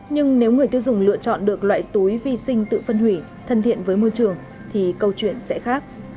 nhưng nếu người tiêu dùng lựa chọn được loại túi vi sinh tự phân hủy thân thiện với môi trường thì câu chuyện sẽ khác